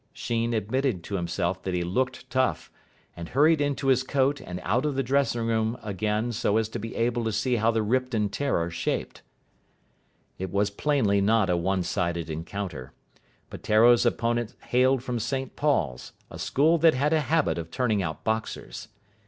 Sheen admitted to himself that he looked tough, and hurried into his coat and out of the dressing room again so as to be in time to see how the Ripton terror shaped. It was plainly not a one sided encounter. Peteiro's opponent hailed from St Paul's, a school that has a habit of turning out boxers.